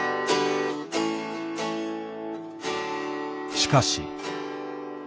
しかし。